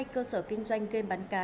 hai cơ sở kinh doanh game bắn cá